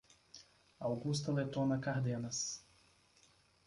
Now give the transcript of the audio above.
Augusta Letona Cardenas